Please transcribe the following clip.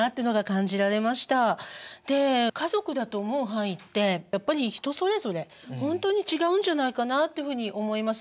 で家族だと思う範囲ってやっぱり人それぞれほんとに違うんじゃないかなってふうに思います。